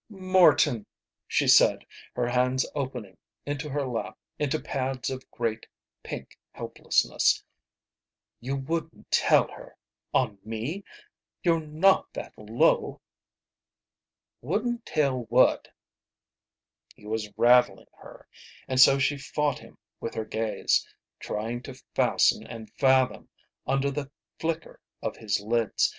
"Morton," she said, her hands opening into her lap into pads of great pink helplessness, "you wouldn't tell her on me! You're not that low!" "Wouldn't tell what?" He was rattling her, and so she fought him with her gaze, trying to fasten and fathom under the flicker of his lids.